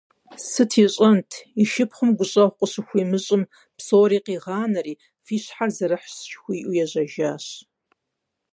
Сыт ищӀэнт, и шыпхъум гущӀэгъу къыщыхуимыщӀым, псори къигъанэри, фи щхьэр зэрыхьщ жыхуиӀэу, ежьэжащ.